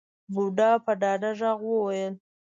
بوډا په ډاډه غږ وويل.